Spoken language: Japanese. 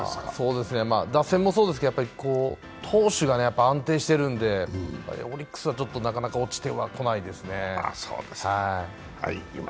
打線もそうですけど、投手が安定しているので、オリックスはなかなか落ちてはこないですね。